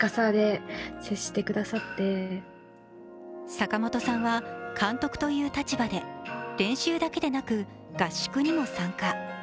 坂本さんは監督という立場で練習だけでなく合宿にも参加。